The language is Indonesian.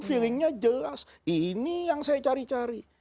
feelingnya jelas ini yang saya cari cari